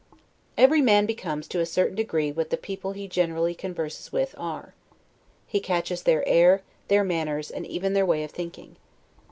Every man becomes, to a certain degree, what the people he generally converses with are. He catches their air, their manners, and even their way of thinking.